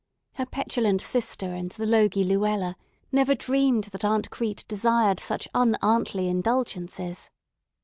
Her petulant sister and the logy Luella never dreamed that Aunt Crete desired such un auntly indulgences.